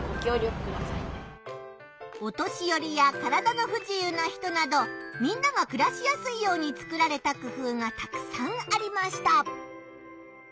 お年よりや体の不自由な人などみんながくらしやすいように作られた工ふうがたくさんありました。